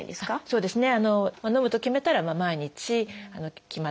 そうですね。